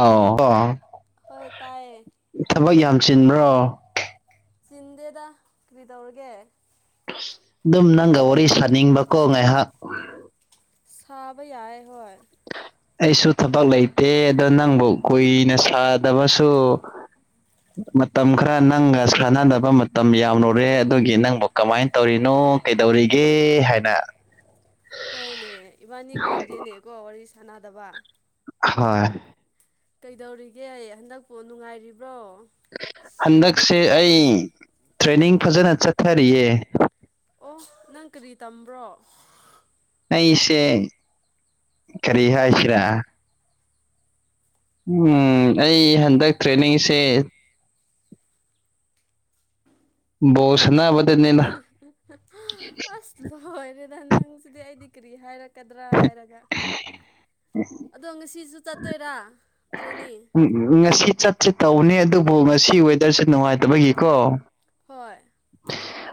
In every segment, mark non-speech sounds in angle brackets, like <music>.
ꯑꯥꯎ ꯒꯣ ꯍꯣꯏ ꯇꯥꯏꯌꯦ ꯊꯕꯛ ꯌꯥꯝ ꯆꯤꯟꯕ꯭ꯔꯣ ꯆꯤꯟꯗꯦꯗꯥ ꯀ꯭ꯔꯤ ꯇꯧꯔꯒꯦ ꯗꯨꯝ ꯅꯪꯒ ꯋꯥꯔꯤ ꯁꯥꯅꯤꯡꯕꯀꯣ ꯉꯥꯏꯍꯥꯛ ꯁꯥꯕ ꯌꯥꯏꯌꯦ ꯍꯣꯏ ꯑꯩꯁꯨ ꯊꯕꯛ ꯂꯩꯇꯦ ꯑꯗꯣ ꯅꯪꯕꯨ ꯀꯨꯏꯅ ꯁꯥꯗꯕꯁꯨ ꯃꯇꯝ ꯈꯔ ꯅꯪꯒ ꯁꯥꯟꯅꯗꯕ ꯃꯇꯝ ꯌꯥꯝꯂꯨꯔꯦ ꯑꯗꯨꯒꯤ ꯅꯪꯕꯨ ꯀꯃꯥꯏꯟ ꯇꯧꯔꯤꯅꯣ ꯀꯩꯗꯧꯔꯤꯒꯦ ꯍꯥꯏꯅ ꯍꯣꯏꯅꯦ ꯏꯕꯥꯅꯤ ꯀꯨꯏꯔꯦꯅꯦꯀꯣ ꯋꯥꯔꯤ ꯁꯥꯟꯅꯗꯕꯥ ꯍꯣꯏ ꯀꯩꯗꯧꯔꯤꯒꯦ ꯍꯥꯌꯦ ꯍꯟꯗꯛꯄꯨ ꯅꯨꯡꯉꯥꯏꯔꯤꯕ꯭ꯔꯣ ꯍꯟꯗꯛꯁꯦ ꯑꯩ ꯇ꯭ꯔꯦꯅꯤꯡ ꯐꯖꯅ ꯆꯠꯊꯔꯤꯌꯦ ꯑꯣ ꯅꯪ ꯀ꯭ꯔꯤ ꯇꯝꯕ꯭ꯔꯣ ꯑꯩꯁꯦ ꯀꯔꯤ ꯍꯥꯏꯁꯤꯔꯥ ꯎꯝ ꯑꯩ ꯍꯟꯗꯛ ꯇ꯭ꯔꯦꯅꯤꯡꯁꯦ ꯕꯣꯜ ꯁꯅꯥꯕꯗꯥꯅꯤꯗꯥ ꯑꯁ ꯂꯣꯏꯔꯦꯗꯥ ꯅꯪ ꯁꯤꯗꯤ ꯑꯩꯗꯤ ꯀꯔꯤ ꯍꯥꯏꯔꯛ ꯀꯗ꯭ꯔꯥ ꯍꯥꯏꯔꯒ ꯑꯗꯣ ꯉꯁꯤꯖꯨ ꯆꯠꯇꯣꯏꯔꯥ ꯇ꯭ꯔꯦꯅꯤꯡ ꯎꯝ ꯉꯁꯤ ꯆꯠꯁꯦ ꯇꯧꯕꯅꯤ ꯑꯗꯨꯕꯨ ꯉꯁꯤ ꯋꯦꯗꯔꯁꯦ ꯅꯨꯡꯉꯥꯏꯇꯕꯒꯤꯀꯣ ꯍꯣꯏ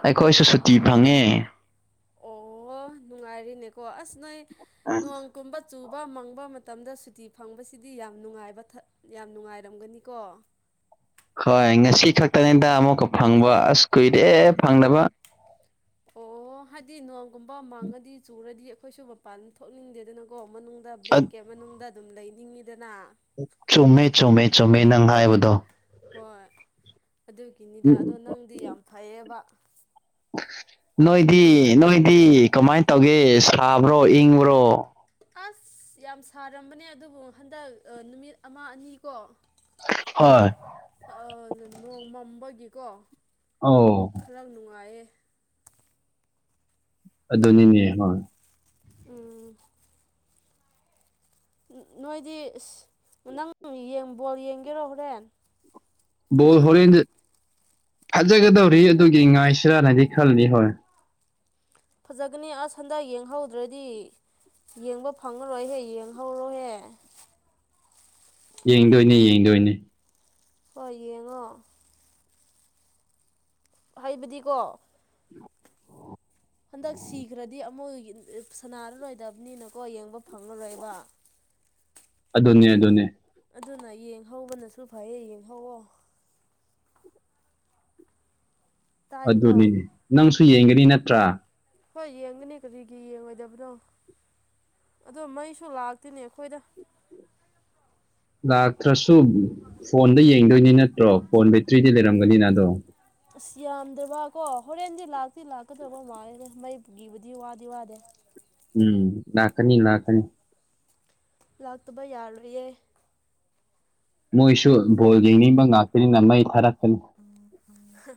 ꯑꯩꯈꯣꯏꯁꯨ ꯁꯨꯇꯤ ꯐꯪꯉꯦ ꯑꯣ ꯅꯨꯡꯉꯥꯏꯔꯤꯅꯦꯀꯣ ꯑꯁ ꯅꯣꯏ ꯅꯣꯡ ꯀꯨꯝꯕ ꯆꯨꯕ ꯃꯪꯕ ꯃꯇꯝꯗ ꯁꯨꯇꯤ ꯐꯪꯕꯁꯤꯗꯤ ꯌꯥꯝ ꯅꯨꯡꯉꯥꯏꯕ ꯊ ꯌꯥꯝ ꯅꯨꯡꯉꯥꯏꯔꯝꯒꯅꯤꯀꯣ ꯍꯣꯏ ꯉꯁꯤ ꯈꯛꯇꯅꯤꯗ ꯑꯃꯨꯛꯀ ꯐꯪꯕ ꯑꯁ ꯀꯨꯏꯔꯦ ꯐꯪꯗꯕ ꯑꯣꯍꯣ ꯍꯥꯏꯗꯤ ꯅꯣꯡꯒꯨꯝꯕ ꯃꯥꯡꯉꯗꯤ ꯆꯨꯔꯗꯤ ꯑꯩꯈꯣꯏꯁꯨ ꯃꯄꯥꯟ ꯊꯣꯛꯅꯤꯡꯗꯦꯗꯅ ꯀꯣ ꯃꯅꯨꯡꯗ ꯕ꯭ꯂꯦꯡꯀꯦꯠ ꯃꯅꯨꯡꯗ ꯑꯗꯨꯝ ꯂꯩꯅꯤꯡꯉꯤꯗꯅ ꯆꯨꯝꯃꯦ ꯆꯨꯝꯃꯦ ꯆꯨꯝꯃꯦ ꯅꯪ ꯍꯥꯏꯕꯗꯣ ꯍꯣꯏ ꯑꯗꯨꯒꯤꯅꯤꯗ ꯑꯗꯣ ꯅꯪꯗꯤ ꯌꯥꯝ ꯐꯩꯌꯦꯕ ꯅꯣꯏꯗꯤ ꯅꯣꯏꯗꯤ ꯀꯃꯥꯏꯅ ꯇꯧꯒꯦ ꯁꯥꯕ꯭ꯔꯣ ꯏꯪꯕ꯭ꯔꯣ ꯑꯁ ꯌꯥꯝ ꯁꯥꯔꯝꯕꯅꯦ ꯑꯗꯨꯕꯨ ꯍꯟꯗꯛ ꯅꯨꯃꯤꯠ ꯑꯃ ꯑꯅꯤ ꯀꯣ ꯍꯣꯏ ꯅꯣꯡ ꯃꯝꯕꯒꯤꯀꯣ ꯑꯣ ꯈꯔ ꯅꯨꯡꯉꯥꯏꯌꯦ ꯑꯗꯨꯅꯤꯅꯦ ꯍꯣꯏ ꯎꯝ ꯅꯣꯏꯗꯤ ꯑꯁ ꯅꯪ ꯌꯦꯡ ꯕꯣꯜ ꯌꯦꯡꯒꯦꯔꯣ ꯍꯣꯔꯦꯟ ꯕꯣꯜ ꯍꯣꯔꯦꯟꯗꯤ ꯐꯖꯒꯗꯧꯔꯤ ꯑꯗꯨꯒꯤ ꯉꯥꯏꯁꯤꯔꯅꯗꯤ ꯈꯜꯂꯤ ꯍꯣꯏ ꯐꯖꯒꯅꯤ ꯑꯁ ꯍꯟꯗꯛ ꯌꯦꯡꯍꯧꯗ꯭ꯔꯗꯤ ꯌꯦꯡꯕ ꯐꯪꯉꯔꯣꯏꯍꯦ ꯌꯦꯡꯍꯧꯔꯣꯍꯦ ꯌꯦꯡꯗꯣꯏꯅꯦ ꯌꯦꯡꯗꯣꯏꯅꯦ ꯍꯣꯏ ꯌꯦꯡꯉꯣ ꯍꯥꯏꯕꯗꯤꯀꯣ ꯍꯟꯗꯛ ꯁꯤꯈ꯭ꯔꯗꯤ ꯑꯃꯨꯛ ꯌꯨ ꯁꯅꯥꯔꯔꯣꯏꯗꯕꯅꯤꯅꯀꯣ ꯌꯦꯡꯕ ꯐꯪꯂꯔꯣꯏꯕ ꯑꯗꯨꯅꯦ ꯑꯗꯨꯅꯦ ꯑꯗꯨꯅ ꯌꯦꯡꯍꯧꯕꯅꯁꯨ ꯐꯩꯌꯦ ꯌꯦꯡꯍꯧꯋꯣ ꯇꯥꯏꯀꯣ ꯑꯗꯨꯅꯤ ꯅꯪꯁꯨ ꯌꯦꯡꯒꯅꯤ ꯅꯠꯇ꯭ꯔꯥ ꯍꯣꯏ ꯌꯦꯡꯒꯅꯤ ꯀꯔꯤꯒꯤ ꯌꯦꯡꯉꯣꯏꯗꯕꯅꯣ ꯑꯗꯣ ꯃꯩꯁꯨ ꯂꯥꯛꯇꯦꯅꯦ ꯑꯈꯣꯏꯗ ꯂꯥꯛꯇ꯭ꯔꯁꯨ ꯐꯣꯟꯗ ꯌꯦꯡꯗꯣꯏꯅꯤ ꯅꯠꯇ꯭ꯔꯣ ꯐꯣꯟ ꯕꯦꯇ꯭ꯔꯤꯗꯤ ꯂꯩꯔꯝꯒꯅꯤꯅ ꯑꯗꯣ ꯑꯁ ꯌꯥꯝꯗ꯭ꯔꯕꯀꯣ ꯍꯣꯔꯦꯟꯗꯤ ꯂꯥꯛꯇꯤ ꯂꯥꯛꯀꯗꯕ ꯃꯥꯜꯂꯦꯗ ꯃꯩꯒꯤꯕꯨꯗꯤ ꯋꯥꯗꯤ ꯋꯥꯗꯦ ꯎꯝ ꯂꯥꯛꯀꯅꯤ ꯂꯥꯛꯀꯅꯤ ꯂꯥꯛꯇꯕ ꯌꯥꯔꯣꯏꯌꯦ ꯃꯣꯏꯁꯨ ꯕꯣꯜ ꯌꯦꯡꯅꯤꯡꯕ ꯉꯥꯛꯇꯅꯤꯅ ꯃꯩ ꯊꯥꯔꯛꯀꯅꯤ ꯎꯝ ꯎꯝ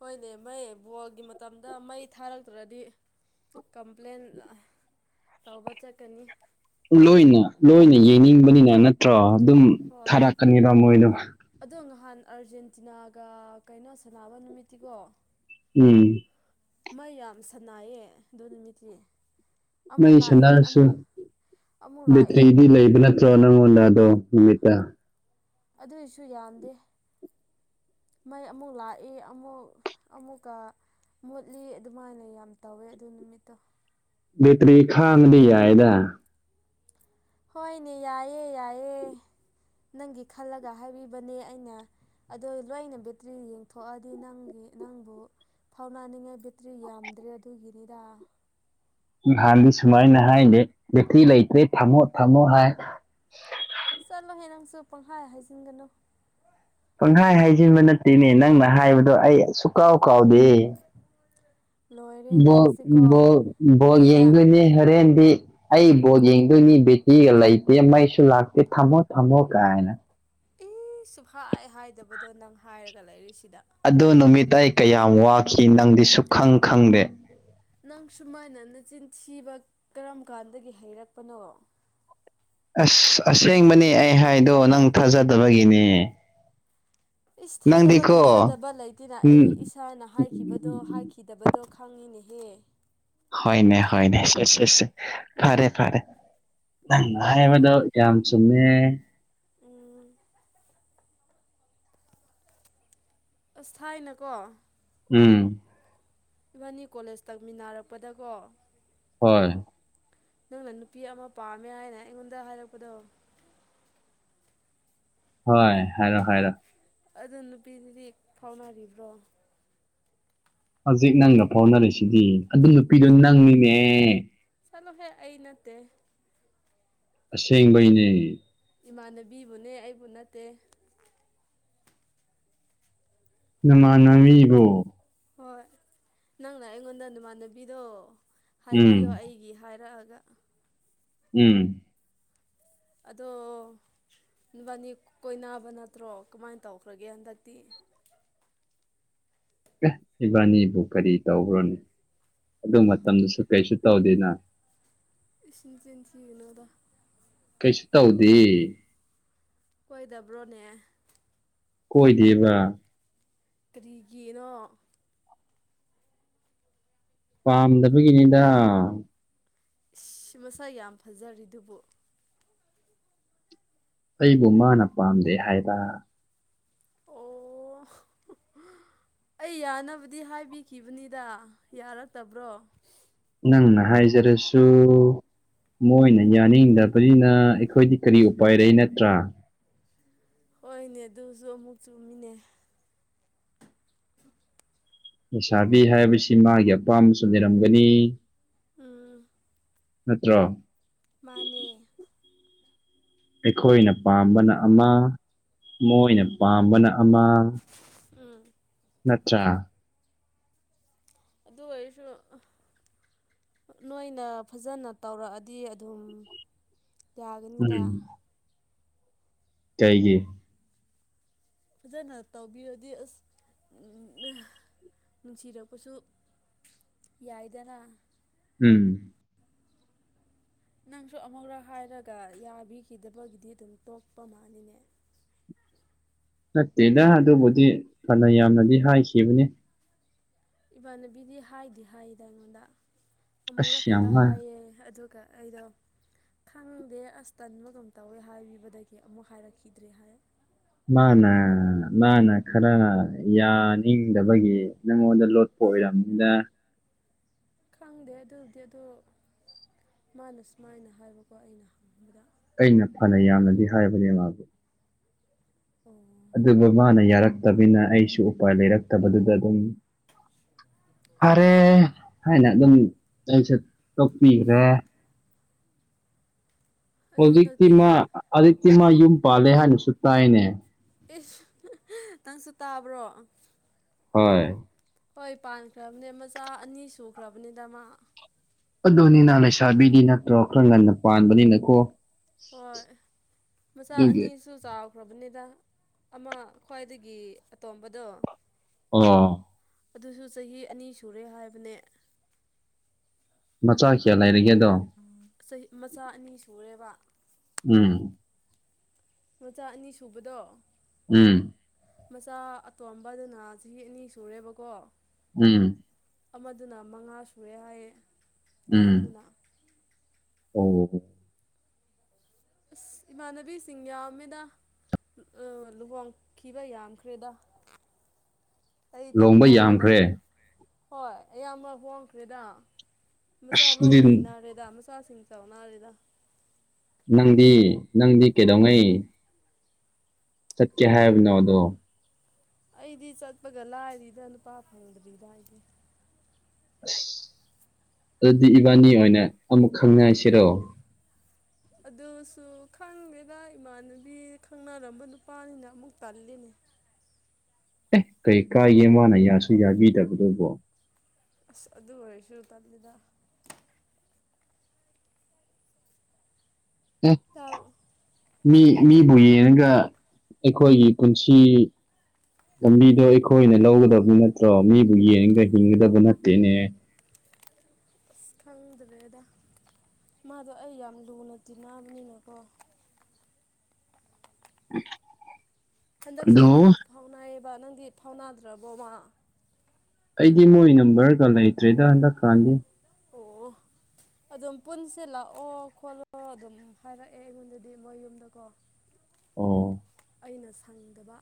ꯍꯣꯏꯅꯦ ꯃꯩ ꯕꯣꯜꯒꯤ ꯃꯇꯝꯗ ꯃꯩ ꯊꯥꯔꯛꯇ꯭ꯔꯗꯤ ꯀꯝꯄ꯭ꯂꯦꯟ ꯇꯧꯕ ꯆꯠꯀꯅꯤ ꯂꯣꯏꯅ ꯂꯣꯏꯅ ꯌꯦꯡꯅꯤꯡꯕꯅꯤꯅ ꯅꯠꯇ꯭ꯔꯣ ꯑꯗꯨꯝ ꯍꯣꯏ ꯊꯥꯔꯛꯀꯅꯤꯗꯣ ꯃꯣꯏꯗꯣ ꯑꯗꯣ ꯅꯍꯥꯟ ꯑꯥꯔꯖꯦꯟꯇꯤꯅꯥꯒ ꯀꯩꯅꯣ ꯁꯥꯟꯅꯕ ꯅꯨꯃꯤꯠꯇꯤꯀꯣ ꯎꯝ ꯃꯩ ꯌꯥꯝ ꯁꯅꯥꯏꯌꯦ ꯑꯗꯨ ꯅꯨꯃꯤꯠꯇꯤ ꯑꯃꯨꯛ ꯃꯩ ꯂꯥꯛꯑꯦ ꯁꯅꯥꯔꯁꯨ ꯑꯃꯨꯛ ꯑꯃꯨꯛ ꯂꯥꯛꯑꯦ ꯕꯦꯇ꯭ꯔꯤꯗꯤ ꯑꯃꯨꯛ ꯂꯩꯕ ꯅꯠ ꯇ꯭ꯔꯣ ꯅꯪꯉꯣꯟꯗ ꯑꯗꯣ ꯅꯨꯃꯤꯠꯇ ꯑꯗꯣꯏꯁꯨ ꯌꯥꯝꯗꯦ ꯃꯩ ꯑꯃꯨꯛ ꯂꯥꯛꯏ ꯑꯃꯨꯛ ꯑꯃꯨꯛꯀ ꯃꯨꯠꯂꯤ ꯑꯗꯨꯃꯥꯏꯅ ꯌꯥꯝ ꯇꯧꯋꯦ ꯑꯗꯨ ꯅꯨꯃꯤꯠꯇꯣ ꯕꯦꯇ꯭ꯔꯤ ꯈꯥꯡꯉꯗꯤ ꯌꯥꯏꯑꯦꯗ ꯍꯣꯏꯅꯦ ꯌꯥꯏꯌꯦ ꯌꯥꯏꯌꯦ ꯅꯪꯒꯤ ꯈꯜꯂꯒ ꯍꯥꯏꯕꯤꯕꯅꯦ ꯑꯩꯅ ꯑꯗꯣ ꯂꯣꯏꯅ ꯕꯦꯇ꯭ꯔꯤ ꯌꯦꯡꯊꯣꯛꯑꯗꯤ ꯅꯪꯒꯤ ꯅꯪꯕꯨ ꯐꯥꯎꯅꯥꯅꯤꯡꯉꯥꯏ ꯕꯦꯇ꯭ꯔꯤ ꯌꯥꯝꯗ꯭ꯔꯦ ꯑꯗꯨꯒꯤꯅꯤꯗ ꯅꯍꯥꯟꯗꯤ ꯁꯨꯃꯥꯏꯅ ꯍꯥꯏꯅꯦ ꯕꯦꯇ꯭ꯔꯤ ꯂꯩꯇ꯭ꯔꯦ ꯊꯝꯃꯣ ꯊꯝꯃꯣ ꯍꯥꯏ ꯆꯠꯂꯣꯍꯦ ꯅꯪꯁꯨ ꯄꯪꯈꯥꯏ ꯍꯥꯏꯖꯤꯟꯒꯅꯨ ꯄꯪꯍꯥꯏ ꯍꯥꯏꯖꯤꯟꯕ ꯅꯠꯇꯦꯅꯦ ꯅꯪꯅ ꯍꯥꯏꯕꯗꯣ ꯑꯩ ꯁꯨꯀꯥꯎ ꯀꯥꯎꯗꯦ ꯂꯣꯏꯔꯦ ꯕꯣꯜ ꯅꯪꯁꯤꯀꯣ ꯕꯣꯜ ꯕꯣꯜ ꯃꯤꯅ ꯌꯦꯡꯗꯣꯏꯅꯦ ꯍꯣꯔꯦꯟꯗꯤ ꯑꯩ ꯕꯣꯜ ꯌꯦꯡꯗꯣꯏꯅꯤ ꯕꯦꯇꯤꯒ ꯂꯩꯇꯦ ꯃꯩꯁꯨ ꯂꯥꯛꯇꯦ ꯊꯝꯃꯣ ꯊꯝꯃꯣ ꯀꯥꯏꯅ ꯏꯁ ꯁꯨꯛꯍꯥꯏ ꯍꯥꯏꯗꯕꯗꯣ ꯅꯪ ꯍꯥꯏꯔꯒ ꯂꯩꯔꯤꯁꯤꯗ ꯑꯗꯣ ꯅꯨꯃꯤꯠꯇ ꯑꯩ ꯀꯌꯥꯝ ꯋꯥꯈꯤ ꯅꯪꯗꯤ ꯁꯨꯈꯪ ꯈꯪꯗꯦ ꯅꯪ ꯁꯨꯃꯥꯏꯅ ꯅꯆꯤꯟ ꯊꯤꯕ ꯀꯔꯝ ꯀꯥꯟꯗꯒꯤ ꯍꯩꯔꯛꯄꯅꯣ ꯑꯁ ꯑꯁꯦꯡꯕꯅꯦ ꯑꯩ ꯍꯥꯏꯗꯣ ꯅꯪ ꯊꯥꯖꯗꯕꯒꯤꯅꯦ ꯏꯁ ꯊꯥꯖꯕ ꯅꯪꯗꯤꯀꯣ ꯊꯥꯖꯗꯕ ꯂꯩꯇꯦꯅ ꯎꯝ ꯑꯩ ꯏꯁꯥꯅ ꯍꯥꯏꯈꯤꯕꯗꯣ ꯍꯥꯏ ꯈꯤꯗꯕꯗꯣ ꯈꯪꯉꯤꯅꯦꯍꯦ ꯍꯣꯏꯅꯦ ꯍꯣꯏꯅꯦ ꯁꯦ ꯁꯦ ꯁꯦ ꯐꯔꯦ ꯐꯔꯦ ꯅꯪꯅ ꯑꯣ ꯍꯥꯏꯕꯗꯣ ꯌꯥꯝ ꯆꯨꯝꯃꯦ ꯎꯝ ꯑꯁ ꯊꯥꯏꯅꯀꯣ ꯎꯝ ꯏꯕꯥꯅꯤ ꯀꯣꯂꯦꯖ ꯇꯝꯃꯤꯟꯅꯔꯛꯄꯗꯀꯣ ꯍꯣꯏ ꯅꯪꯅ ꯅꯨꯄꯤ ꯑꯃ ꯄꯥꯝꯃꯦ ꯍꯥꯏꯅ ꯑꯩꯉꯣꯟꯗ ꯍꯥꯏꯔꯛꯄꯗꯣ ꯍꯣꯏ ꯍꯥꯏꯔꯣ ꯍꯥꯏꯔꯣ ꯑꯗꯨ ꯅꯨꯄꯤꯗꯨꯗꯤ ꯐꯥꯎꯅꯔꯤꯕ꯭ꯔꯣ ꯍꯧꯖꯤꯛ ꯅꯪꯒ ꯐꯥꯎꯅꯔꯤꯁꯤꯗꯤ ꯑꯗꯨ ꯅꯨꯄꯤꯗꯣ ꯅꯪꯅꯤꯅꯦ ꯆꯠꯂꯣꯍꯦ ꯑꯩ ꯅꯠꯇꯦ ꯑꯁꯦꯡꯕꯩꯅꯦ ꯏꯃꯥꯟꯅꯕꯤꯕꯨꯅꯦ ꯑꯩꯕꯨ ꯅꯠꯇꯦ ꯅꯃꯥꯟꯅꯕꯤꯕꯨ ꯍꯣꯏ ꯅꯪꯅ ꯑꯩꯉꯣꯟꯗ ꯅꯃꯥꯟꯅꯕꯤꯗꯣ ꯍꯥꯏꯕꯤꯌꯣ ꯎꯝ ꯑꯩꯒꯤ ꯍꯥꯏꯔꯛꯑꯒ ꯎꯝ ꯑꯗꯣ ꯅꯕꯥꯅꯤ ꯀꯣꯏꯅꯕ ꯅꯠꯇ꯭ꯔꯣ ꯀꯃꯥꯏ ꯇꯧꯈ꯭ꯔꯒꯦ ꯍꯟꯗꯛꯇꯤ ꯑꯦ ꯏꯕꯥꯅꯤꯕꯨ ꯀꯔꯤ ꯇꯧꯕ꯭ꯔꯣꯅꯦ ꯑꯗꯨ ꯃꯇꯝꯗꯁꯨ ꯀꯩꯁꯨ ꯇꯧꯗꯦꯅ ꯏꯁ ꯅꯆꯤꯟ ꯊꯤꯒꯅꯨꯗ ꯀꯩꯁꯨ ꯇꯧꯗꯦꯌꯦ ꯀꯣꯏꯗꯕ꯭ꯔꯣꯅꯦ ꯀꯣꯏꯗꯦꯕ ꯀꯔꯤꯒꯤꯅꯣ ꯄꯥꯝꯗꯕꯒꯤꯅꯤꯗ ꯏꯁ ꯃꯁꯛ ꯌꯥꯝ ꯐꯖꯔꯤꯗꯨꯕꯨ ꯑꯩꯕꯨ ꯃꯥꯅ ꯄꯥꯝꯗꯦ ꯍꯥꯏꯕ ꯑꯣ ꯑꯩ ꯌꯥꯅꯕꯗꯤ ꯍꯥꯏꯕꯤꯈꯤꯕꯅꯤꯗ ꯌꯥꯔꯛꯇꯕ꯭ꯔꯣ ꯅꯪꯅ ꯍꯥꯏꯖꯔꯁꯨ ꯃꯣꯏꯅ ꯌꯥꯅꯤꯡꯗꯕꯅꯤꯅ ꯑꯩꯈꯣꯏꯗꯤ ꯀꯔꯤ ꯎꯄꯥꯏꯂꯩ ꯅꯠꯇ꯭ꯔꯥ ꯍꯣꯏꯅꯦ ꯑꯗꯨꯁꯨ ꯑꯃꯨꯛ ꯆꯨꯝꯃꯤꯅꯦ ꯂꯩꯁꯥꯕꯤ ꯍꯥꯏꯕꯁꯤ ꯃꯥꯒꯤ ꯑꯄꯥꯝꯕꯁꯨ ꯂꯩꯔꯝꯒꯅꯤ ꯎꯝ ꯅꯠꯇ꯭ꯔꯣ ꯃꯥꯅꯦ ꯑꯩꯈꯣꯏꯅ ꯄꯥꯝꯕꯅ ꯑꯃ ꯃꯣꯏꯅ ꯄꯥꯝꯕꯅ ꯑꯃ ꯎꯝ ꯅꯠꯇ꯭ꯔꯥ ꯑꯗꯨ ꯑꯣꯏꯔꯁꯨ ꯅꯣꯏꯅ ꯐꯖꯅ ꯇꯧꯔꯛꯑꯗꯤ ꯑꯗꯨꯝ ꯌꯥꯒꯅꯤꯗ ꯎꯝ ꯀꯩꯒꯤ ꯐꯖꯅ ꯇꯧꯕꯤꯔꯗꯤ ꯑꯁ ꯎꯝ ꯅꯨꯡꯁꯤꯔꯛꯄꯁꯨ ꯌꯥꯏꯗꯅ ꯎꯝ ꯅꯪꯁꯨ ꯑꯃꯨꯔꯛ ꯍꯥꯏꯔꯒ ꯌꯥꯕꯤꯈꯤꯗꯕꯒꯤꯗꯤ ꯑꯗꯨꯝ ꯇꯣꯛꯄ ꯃꯥꯟꯅꯤꯅꯦ ꯅꯠꯇꯦꯗ ꯑꯗꯨꯕꯨꯗꯤ ꯐꯅ ꯌꯥꯝꯅꯗꯤ ꯍꯥꯏꯈꯤꯕꯅꯤ ꯏꯕꯥꯟꯅꯕꯤꯗꯤ ꯍꯥꯏꯗꯦ ꯍꯥꯏꯌꯦꯗ ꯑꯩꯉꯣꯟꯗ ꯑꯃꯨꯔꯛ ꯑꯁ ꯌꯥꯝ ꯈꯠꯇ ꯍꯥꯏ ꯍꯥꯏꯌꯦ ꯑꯗꯨꯒ ꯑꯩꯗꯣ ꯈꯪꯗꯦ ꯑꯁ ꯇꯟꯕꯒꯨꯝ ꯇꯧꯋꯦ ꯍꯥꯏꯕꯤꯕꯗꯒꯤ ꯑꯃꯨꯛ ꯍꯥꯏꯔꯛꯈꯤꯗ꯭ꯔꯦ ꯍꯥꯏ ꯃꯥꯅ ꯃꯥꯅ ꯈꯔ ꯌꯥꯅꯤꯡꯗꯕꯒꯤ ꯅꯪꯉꯣꯟꯗ ꯂꯣꯠ ꯄ ꯑꯣꯏꯔꯝꯅꯤꯗ ꯈꯪꯗꯦ ꯑꯗꯨꯗꯤ ꯑꯗꯣ ꯃꯥꯅ ꯁꯨꯃꯥꯏꯅ ꯍꯥꯏꯕꯀꯣ ꯑꯩꯅ ꯍꯪꯕꯗ ꯑꯩꯅ ꯐꯅ ꯌꯥꯝꯅꯗꯤ ꯍꯥꯏꯕꯅꯦ ꯃꯥꯥꯕꯨ ꯑꯣ ꯑꯗꯨꯕꯨ ꯃꯥꯅ ꯌꯥꯔꯛꯇꯕꯤꯅꯤꯅ ꯑꯩꯁꯨ ꯎꯄꯥꯏ ꯂꯩꯔꯛꯇꯕꯗꯨꯗ ꯑꯗꯨꯝ ꯐꯔꯦ ꯍꯥꯏꯅ ꯑꯗꯨꯝ ꯑꯩꯁꯨ ꯇꯣꯛꯄꯤꯈ꯭ꯔꯦ ꯑꯗꯣ ꯍꯧꯖꯤꯛꯇꯤ ꯍꯟꯗꯛꯇꯤ ꯃꯥ ꯍꯧꯖꯤꯛꯇꯤ ꯃꯥ ꯌꯨꯝ ꯄꯥꯜꯂꯦ ꯍꯥꯏꯅꯁꯨ ꯇꯥꯏꯅꯦ ꯏꯁ ꯅꯪꯁꯨ ꯇꯥꯕ꯭ꯔꯣ ꯍꯣꯏ ꯍꯣꯏ ꯄꯥꯟꯈ꯭ꯔꯕꯅꯦ ꯃꯆꯥ ꯑꯅꯤ ꯁꯨꯈ꯭ꯔꯕꯅꯤꯗꯃꯥ ꯑꯗꯨꯅꯤꯅ ꯂꯩꯁꯥꯕꯤꯗꯤ ꯅꯠꯇ꯭ꯔꯣ ꯈꯔ ꯉꯟꯅ ꯄꯥꯟꯕꯅꯤꯅꯈꯣ ꯍꯣꯏ ꯃꯆꯥ ꯑꯗꯨꯒꯤ ꯑꯅꯤ ꯁꯨ ꯆꯥꯎꯈ꯭ꯔꯕꯅꯤꯗ ꯑꯃ ꯈ꯭ꯋꯥꯏꯗꯒꯤ ꯑꯇꯣꯝꯕꯗꯣ ꯑꯣ ꯑꯗꯨꯁꯨ ꯆꯍꯤ ꯑꯅꯤ ꯁꯨꯔꯦ ꯍꯥꯏꯕꯅꯦ ꯃꯆꯥ ꯀꯌꯥ ꯂꯩꯔꯤꯒꯦ ꯑꯗꯣ ꯆꯍꯤ ꯃꯆꯥ ꯑꯅꯤ ꯁꯨꯔꯦꯕꯥ ꯎꯝ ꯃꯆꯥ ꯑꯅꯤ ꯁꯨꯕꯗꯣ ꯎꯝ ꯃꯆꯥ ꯑꯇꯣꯝꯕꯥꯗꯨꯅ ꯆꯍꯤ ꯑꯅꯤ ꯁꯨꯔꯦꯕꯀꯣ ꯎꯝ ꯑꯃꯗꯨꯅ ꯃꯉꯥ ꯁꯨꯔꯦ ꯍꯥꯏꯌꯦ ꯎꯝ ꯑꯍꯟꯗꯨꯅ ꯑꯣ ꯑꯁ ꯏꯃꯥꯟꯅꯕꯤꯁꯤꯡ ꯌꯥꯝꯃꯦꯗ ꯑꯥ ꯂꯨꯍꯣꯡꯈꯤꯕ ꯌꯥꯝꯈ꯭ꯔꯦꯗ ꯑꯩꯇ ꯂꯣꯡꯕ ꯉꯥꯏꯔꯦꯗꯥ ꯔꯦ ꯌꯥꯝꯈ꯭ꯔꯦ ꯍꯣꯏ ꯑꯌꯥꯝꯕ ꯍꯣꯡꯈ꯭ꯔꯦꯗ ꯃꯆꯥ ꯑꯁ ꯂꯣꯏ ꯑꯗꯨꯗꯤ ꯂꯩꯅꯔꯦ ꯗ ꯃꯆꯥꯁꯤꯡ ꯆꯥꯎꯅꯔꯦꯗꯥ ꯅꯪꯗꯤ ꯅꯪꯗꯤ ꯀꯩꯗꯧꯉꯩ ꯆꯠꯀꯦ ꯍꯥꯏꯕꯅꯣꯗꯣ ꯑꯩꯗꯤ ꯆꯠꯄꯒ ꯂꯥꯏꯔꯤꯗꯥ ꯅꯨꯄꯥ ꯐꯪꯗ꯭ꯔꯤꯗ ꯑꯩꯗꯤ ꯑꯁ ꯑꯗꯨꯗꯤ ꯏꯕꯥꯅꯤ ꯑꯣꯏꯅ ꯑꯃꯨꯛ ꯈꯪꯅꯁꯤꯔꯣ ꯑꯗꯨꯁꯨ ꯈꯪꯗꯦꯗ ꯏꯃꯥꯟꯅꯕꯤ ꯈꯪꯅꯔꯝꯕ ꯅꯨꯄꯥꯅꯤꯅ ꯑꯃꯨꯛ ꯇꯜꯂꯤꯅꯦ ꯑꯦ ꯀꯩ ꯀꯥꯏꯒꯦ ꯃꯥꯅ ꯌꯥꯁꯨ ꯌꯥꯕꯤꯗꯕꯗꯨꯕꯣ ꯑꯁ ꯑꯗꯨ ꯑꯣꯏꯔꯁꯨ ꯇꯜꯂꯤꯗꯥ <inaudible> ꯇꯥꯕ ꯃꯤ ꯃꯤꯕꯨ ꯌꯦꯡꯉꯒ ꯑꯩꯈꯣꯏꯒꯤ ꯄꯨꯟꯁꯤ ꯂꯝꯕꯤꯗꯣ ꯑꯩꯈꯣꯏꯅ ꯂꯧꯒꯗꯕ ꯅꯠꯇ꯭ꯔꯣ ꯃꯤꯕꯨ ꯌꯦꯡꯉꯒ ꯍꯤꯡꯒꯗꯕ ꯅꯠꯇꯦꯅꯦ ꯑꯁ ꯈꯪꯗ꯭ꯔꯦꯗ ꯃꯥꯗꯣ ꯑꯩ ꯌꯥꯝ ꯂꯨꯅ ꯇꯤꯟꯅꯕꯅꯤꯅꯀꯣ <inaudible> ꯍꯟꯗꯛꯁꯨ ꯑꯗꯣ ꯑꯗꯨꯝ ꯐꯥꯎꯅꯩꯕ ꯅꯪꯗꯤ ꯐꯥꯎꯅꯥꯗ꯭ꯔꯕꯣꯃꯥ ꯑꯩꯗꯤ ꯃꯣꯏ ꯅꯝꯕꯔꯒ ꯂꯩꯇ꯭ꯔꯦꯗ ꯍꯟꯗꯛ ꯀꯥꯟꯗꯤ ꯑꯣ ꯑꯗꯨꯝ ꯄꯨꯟꯁꯦ ꯂꯥꯛꯑꯣ ꯈꯣꯠꯂꯣ ꯑꯗꯨꯝ ꯍꯥꯏꯔꯛꯑꯦ ꯑꯩꯉꯣꯟꯗꯗꯤ ꯃꯣꯏ ꯌꯨꯝꯗꯀꯣ ꯑꯣ ꯑꯩꯅ ꯁꯪꯗꯕ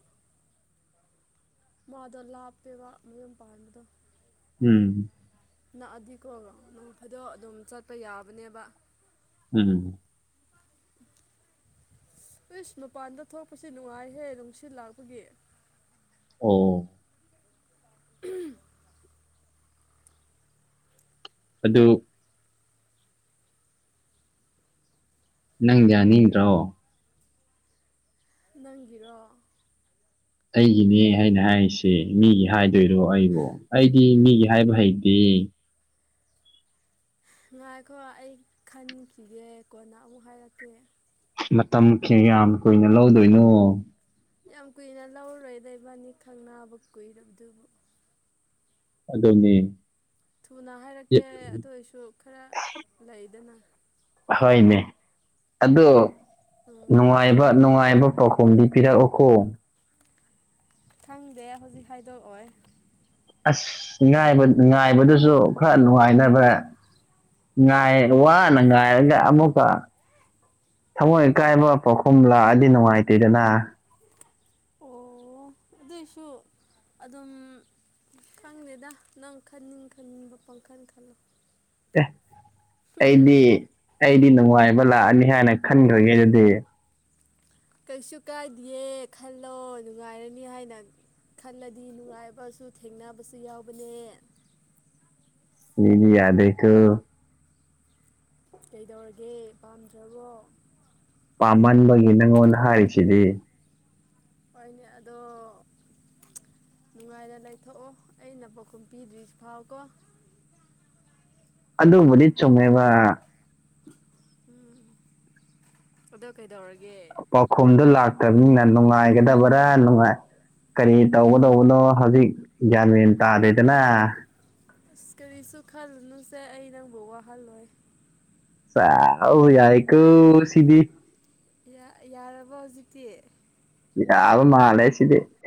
ꯃꯥꯗꯣ ꯂꯥꯞꯄꯦꯕ ꯃꯌꯨꯝ ꯄꯥꯟꯕꯗꯣ ꯎꯝ ꯅꯛꯑꯗꯤꯀꯣ ꯅꯣꯡ ꯐꯥꯗꯣꯛ ꯑꯗꯨꯝ ꯆꯠꯄ ꯌꯥꯕꯅꯦꯕ ꯎꯝ ꯏꯁ ꯃꯄꯥꯟꯗ ꯊꯣꯛꯄꯁꯤ ꯅꯨꯡꯉꯥꯏꯍꯦ ꯅꯨꯡꯁꯤꯠ ꯂꯥꯛꯄꯒꯤ ꯑꯣ <inaudible> ꯑꯗꯨ ꯅꯪ ꯌꯥꯅꯤꯡꯗ꯭ꯔꯣ ꯅꯪꯒꯤꯔꯣ ꯑꯩꯒꯤꯅꯦ ꯍꯥꯏꯅ ꯍꯥꯏꯔꯤꯁꯤ ꯃꯤꯒꯤ ꯍꯥꯏꯗꯣꯏꯔꯣ ꯑꯩꯕꯨ ꯑꯩꯗꯤ ꯃꯤꯒꯤ ꯍꯥꯥꯏꯕ ꯍꯩꯇꯦ ꯉꯥꯏꯈꯣ ꯑꯩ ꯈꯟꯈꯤꯒꯦ ꯀꯣꯟꯅ ꯑꯃꯨꯛ ꯍꯥꯏꯔꯛꯀꯦ ꯃꯇꯝ ꯀꯌꯥꯝ ꯀꯨꯏꯅ ꯂꯧꯗꯣꯏꯅꯣ ꯌꯥꯝ ꯀꯨꯏꯅ ꯂꯧꯔꯣꯏꯗ ꯏꯕꯥꯟꯅꯤ ꯈꯪꯅꯥꯕ ꯀꯨꯏꯔꯕꯗꯨꯕꯨ ꯑꯗꯨꯅꯤ ꯊꯨꯅ ꯍꯥꯏꯔꯛꯀꯦ ꯑꯗꯨ ꯑꯣꯏꯁꯨ ꯈꯔ ꯂꯩꯗꯅ ꯍꯣꯏꯅꯦ ꯑꯗꯣ ꯎꯝ ꯅꯨꯡꯉꯥꯏ ꯉꯥꯏꯕ ꯅꯨꯡꯉꯥꯏꯕ ꯄꯥꯎꯈꯨꯝꯗꯤ ꯄꯤꯔꯛꯎꯀꯣ ꯈꯪꯗꯦ ꯍꯧꯖꯤꯛ ꯍꯥꯏꯗꯣꯛꯑꯣꯏ ꯑꯁ ꯉꯥꯏꯕ ꯉꯥꯏꯕꯗꯨꯁꯨ ꯈꯔ ꯅꯨꯡꯉꯥꯏꯅꯕ ꯉꯥꯏ ꯋꯥꯅ ꯉꯥꯏꯔꯒ ꯑꯃꯨꯛꯀ ꯊꯃꯣꯏ ꯀꯥꯏꯕ ꯄꯥꯎꯈꯨꯝ ꯂꯥꯛꯑꯗꯤ ꯅꯨꯡꯉꯥꯏꯇꯦꯗꯅ ꯑꯣ ꯑꯗꯨꯏꯁꯨ ꯑꯗꯨꯝ ꯈꯪꯗꯦꯗ ꯅꯪ ꯈꯟꯅꯤꯡ ꯈꯟꯅꯤꯡꯕ ꯄꯪꯈꯟ ꯈꯜꯂꯣ ꯑꯦ ꯑꯩꯗꯤ ꯑꯩꯗꯤ ꯅꯨꯡꯉꯥꯏꯕ ꯂꯥꯛꯑꯅꯤ ꯍꯥꯏꯅ ꯈꯟꯈ꯭ꯔꯒꯦ ꯑꯗꯨꯗꯤ <inaudible> ꯀꯩꯁꯨ ꯀꯥꯏꯗꯦ ꯈꯜꯂꯣ ꯅꯨꯡꯉꯥꯏꯔꯅꯤ ꯍꯥꯏꯅ ꯈꯜꯂꯗꯤ ꯅꯨꯡꯉꯥꯏꯕꯁꯨ ꯊꯦꯡꯅꯕꯁꯨ ꯌꯥꯎꯕꯅꯦ ꯃꯤꯗꯤ ꯌꯥꯗꯦꯀꯣ ꯀꯩꯗꯧꯔꯒꯦ ꯄꯥꯝꯗ꯭ꯔꯕꯣ ꯄꯥꯝꯃꯟꯕꯒꯤ ꯅꯪꯉꯣꯟꯗ ꯍꯥꯏꯔꯤꯁꯤꯗꯤ ꯍꯣꯏꯅꯦ ꯑꯗꯣ ꯅꯨꯡꯉꯥꯏꯅ ꯂꯩꯊꯣꯛꯑꯣ ꯑꯩꯅ ꯄꯥꯎꯈꯨꯝ ꯄꯤꯗ꯭ꯔꯤ ꯐꯥꯎ ꯀꯣ ꯑꯗꯨꯕꯨꯗꯤ ꯆꯨꯝꯃꯦꯕ ꯎꯝ ꯑꯗꯣ ꯀꯩꯗꯧꯔꯒꯦ ꯄꯥꯎꯈꯨꯝꯗꯨ ꯂꯥꯛꯇꯕꯅꯤꯅ ꯅꯨꯡꯉꯥꯏꯒꯗꯕ꯭ꯔꯥ ꯅꯨꯡꯉꯥꯏ ꯀꯔꯤ ꯇꯧꯒꯗꯧꯕꯅꯣ ꯍꯧꯖꯤꯛ ꯒ꯭ꯌꯥꯟ ꯃꯦꯟ ꯇꯥꯗꯦꯗꯅ ꯑꯁ ꯀꯔꯤꯁꯨ ꯈꯜꯂꯨꯅꯨꯁꯦ ꯑꯩ ꯅꯪꯕꯨ ꯋꯥꯍꯜꯂꯣꯏ ꯁꯥ ꯑꯧ ꯌꯥꯏꯀꯣ ꯁꯤꯗꯤ ꯌꯥ ꯌꯥꯔꯕꯣ ꯍꯧꯖꯤꯛꯇꯤ ꯌꯥꯕ ꯃꯥꯂꯦ ꯁꯤꯗꯤ